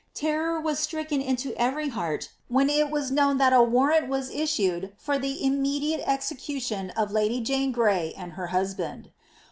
Terror was stricken into every heart when it was known that a warrant was issued for the immediate execution of lady Jane Gray and her husband.